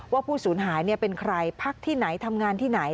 ผู้สูญหายเป็นใครพักที่ไหนทำงานที่ไหน